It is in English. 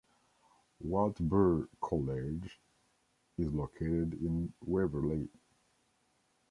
Wartburg College is located in Waverly.